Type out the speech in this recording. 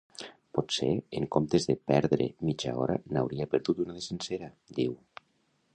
Potser en comptes de perdre mitja hora n’hauria perdut una de sencera, diu.